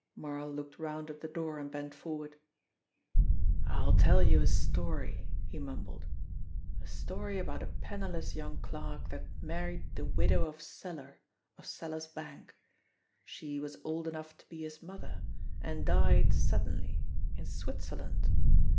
Marl looked round at the door and bent forward. "I'll tell you a story," he mumbled, "a story about a penniless young clerk that married the widow of Seller, of Seller's Bank. She was old enough to be his mother, and died suddenly in Switzerland.